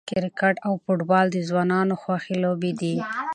کرکټ او فوټبال د ځوانانو خوښې لوبې دي.